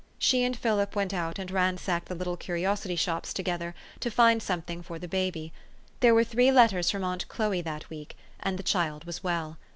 She and Philip went out and ransacked the little curiosity shops together, to find something for the baby. There were three letters from aunt Chloe that week and the child was well.